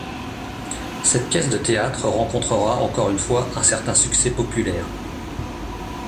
Cette pièce de théâtre rencontrera encore une fois un certain succès populaire.